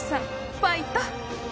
ファイト！